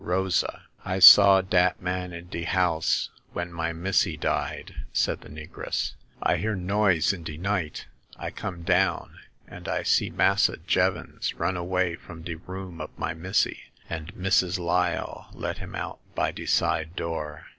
" Rosa !"I saw dat man in de house when my missy died," said the negress. I hear noise in de night ; I come down, and I see Massa Jevons run away from de room of my missy, and Missus Lyle let him out by de side door.